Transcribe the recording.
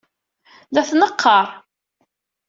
La t-neqqar.